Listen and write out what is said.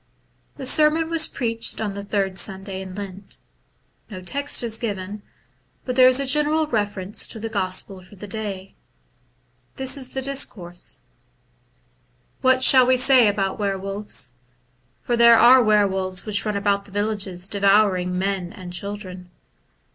The sermon was preached on the third Sunday in Lent. No text is given, but there is a general reference to the gospel for the day. This is the discourse :—What shall we say about were wolves ? for there are were wolves which run about the villages devouring men and children.